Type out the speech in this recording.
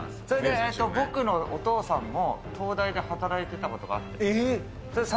それで僕のお父さんも、東大で働いてたことがあって。